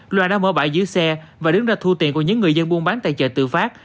loan đã mở bãi dưới xe và đứng ra thu tiền của những người dân buôn bán tài trợ tự phát